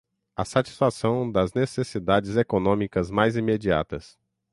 a satisfação das necessidades econômicas mais imediatas